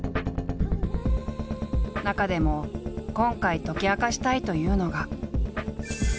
中でも今回解き明かしたいというのが。